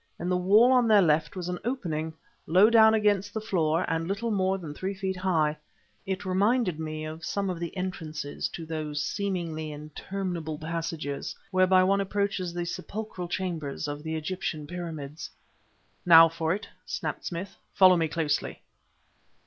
In the wall on their left was an opening, low down against the floor and little more than three feet high; it reminded me of some of the entrances to those seemingly interminable passages whereby one approaches the sepulchral chambers of the Egyptian Pyramids. "Now for it!" snapped Smith. "Follow me closely."